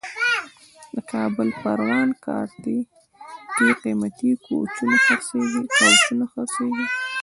د کابل پروان کارته کې قیمتي کوچونه خرڅېږي.